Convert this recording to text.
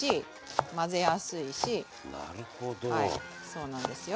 そうなんですよ。